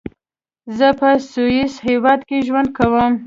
زۀ پۀ سويس هېواد کې ژوند کوم.